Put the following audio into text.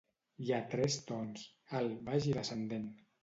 Hi ha tres tons: alt, baix i descendent.